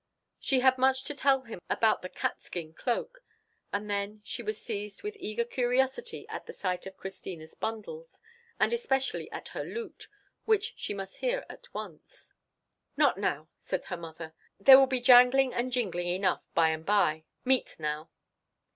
She had much to tell him about the catskin cloak, and then she was seized with eager curiosity at the sight of Christina's bundles, and especially at her lute, which she must hear at once. "Not now," said her mother, "there will be jangling and jingling enough by and by—meat now."